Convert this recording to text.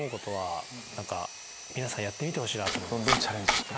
皆さんやってみてほしいなと思います。